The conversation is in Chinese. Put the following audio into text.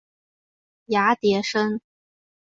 芽叠生。